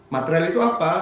material itu apa